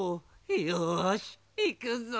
よしいくぞ。